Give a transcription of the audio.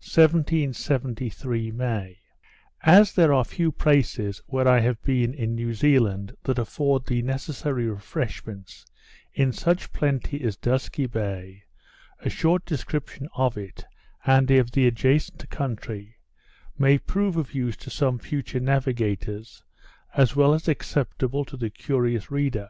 _ 1773 May As there are few places where I have been in New Zealand that afford the necessary refreshments in such plenty as Dusky Bay, a short description of it, and of the adjacent country, may prove of use to some future navigators, as well as acceptable to the curious reader.